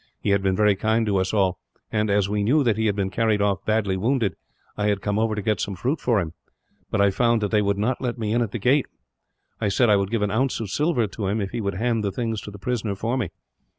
He had been very kind to us all and, as we knew that he had been carried off badly wounded, I had come over to get some fruit for him; but I found that they would not let me in at the gate. I said I would give an ounce of silver to him, if he would hand the things to the prisoner for me.